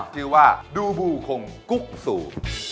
ชื่อว่าดูบูคงกุ๊กซู